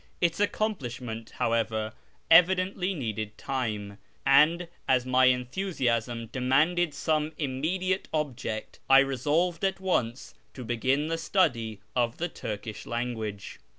Its accomplishment, however, evidently needed time ; and, as my enthusiasm demanded some immediate object, I resolved at once to begin the study of the Turkish language.